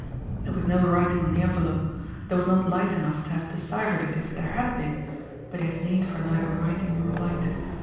There was no writing on the envelope; there was not light enough to have deciphered it if there had been but he had need for neither writing nor light.